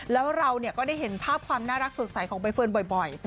แล้วเราก็ได้เห็นภาพความน่ารักสดใสของใบเฟิร์นบ่อย